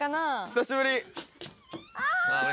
久しぶり。